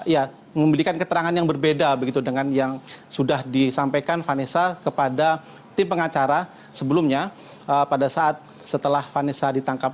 ya memberikan keterangan yang berbeda begitu dengan yang sudah disampaikan vanessa kepada tim pengacara sebelumnya pada saat setelah vanessa ditangkap